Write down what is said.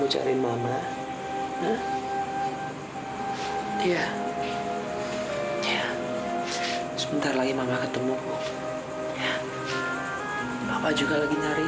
sampai jumpa di video selanjutnya